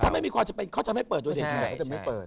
แต่ถ้าไม่มีความจะเป็นเค้าจะไม่เปิดโดยที่ไหน